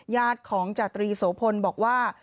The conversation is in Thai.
ญาติของจาตรีโสพลบอกว่า